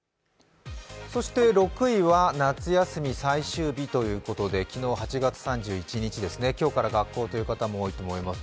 ６位は夏休み最終日ということで昨日８月３１日ですね、今日から学校という方も多いと思います。